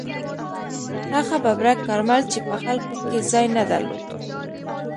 هغه ببرک کارمل چې په خلکو کې ځای نه درلود.